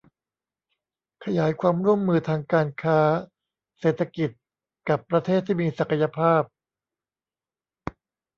ขยายความร่วมมือทางการค้า เศรษฐกิจกับประเทศที่มีศักยภาพ